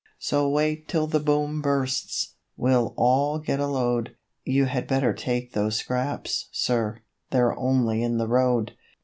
So wait till the Boom bursts! we'll all get a load. 'You had better take those scraps, sir, they're only in the road.